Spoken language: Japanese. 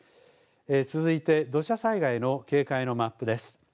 続いて土砂災害の警戒のマップです。